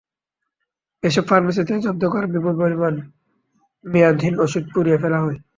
এসব ফার্মেসি থেকে জব্দ করা বিপুল পরিমাণ মেয়াদহীন ওষুধ পুড়িয়ে ফেলা হয়।